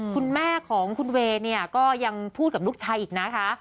คุณแม่ของคุณเวย์เนี่ยก็ยังพูดกับลูกชายอีกนะคะ